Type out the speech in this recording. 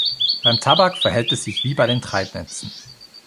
Beim Tabak verhält es sich wie bei den Treibnetzen.